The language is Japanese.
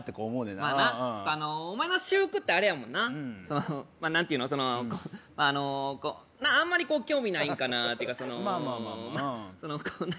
ちょっとあのお前の私服ってあれやもんなまあ何ていうのそのあのあんまり興味ないんかなっていうかそのまあまあまあまあうん